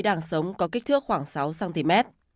đang sống có kích thước khoảng sáu cm